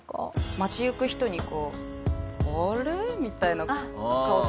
街行く人にこう「あれ？」みたいな顔されたりとか。